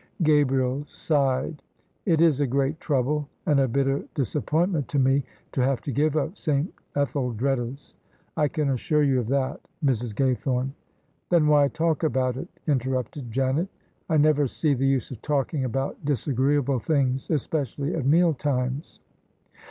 Gabriel sighed. " It is a great trouble and a bitter disap pointment to me to have to give up S. Etheldreda's : I can assure you of that, Mrs. Gaythorne." "Then why talk about it?" interrupted Janet. "I never see the use of talking about disagreeable things, espe cially at meal times."